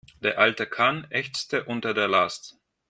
Der alte Kahn ächzte unter der Last.